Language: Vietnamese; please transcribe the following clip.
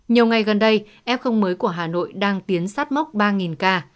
nhiều ngày gần đây f mới của hà nội đang tiến sát mốc ba ca